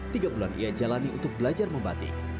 tiga bulan ia jalani untuk belajar membatik